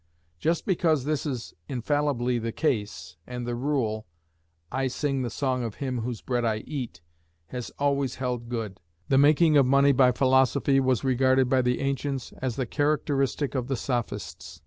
Just because this is infallibly the case, and the rule, "I sing the song of him whose bread I eat," has always held good, the making of money by philosophy was regarded by the ancients as the characteristic of the sophists.